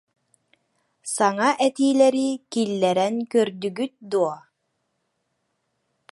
Саҥа этиилэри киллэрэн көрдүгүт дуо